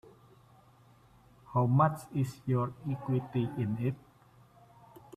How much is your equity in it?